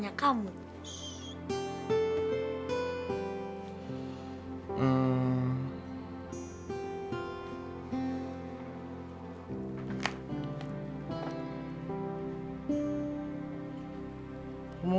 gak apa apa kan aku hansipnya kamu